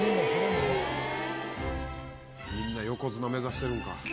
みんな横綱目指してるんか。